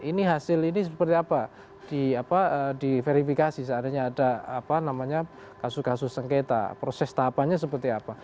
ini hasil ini seperti apa di verifikasi seandainya ada apa namanya kasus kasus sengketa proses tahapannya seperti apa